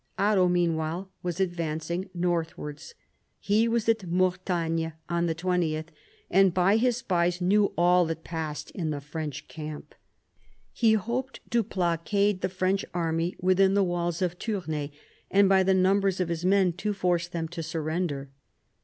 Otto meanwhile was advancing northwards. He was at Mortagne on the 20th, and by his spies knew all that passed in the French camp. He hoped to blockade the French army within the walls of Tournai, and by the numbers of his men to force them to surrender.